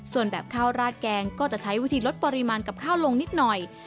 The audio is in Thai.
ส่วนแบบข้าวราดแกงก็จะใช้วิธีลดปริมาณกับข้าวลงนิดหน่อย